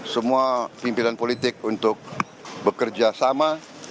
semua pimpinan politik untuk bekerjasama